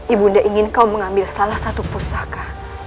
ibu nek ingin kau mengambil salah satu pusaka